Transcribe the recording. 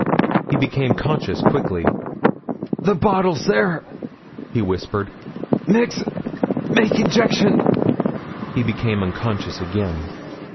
He became conscious quickly. "The bottles there," he whispered. "Mix , make injection." He became unconscious again.